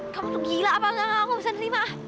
kamu tuh gila apa enggak aku bisa terima